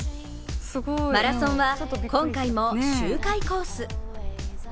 マラソンは今回も周回コース。